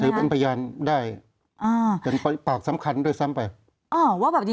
ถือเป็นพยานได้เป็นปากสำคัญได้ซ้ำไป